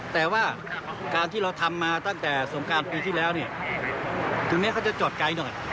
แต่ว่าการที่เราทำมาตั้งแต่สงการปีที่แล้วเนี่ยถึงแม้เขาจะจอดไกลหน่อย